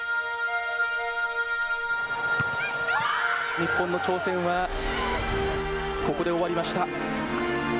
日本の挑戦はここで終わりました。